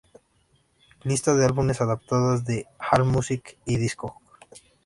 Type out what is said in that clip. Lista de álbumes adaptada de Allmusic y Discogs.